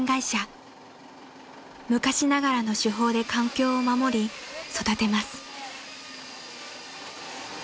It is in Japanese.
［昔ながらの手法で環境を守り育てます］